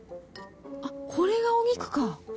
あっ、これがお肉か。